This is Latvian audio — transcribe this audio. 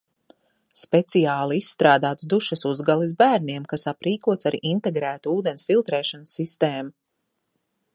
Speciāli izstrādāts dušas uzgalis bērniem, kas aprīkots ar integrētu ūdens filtrēšanas sistēmu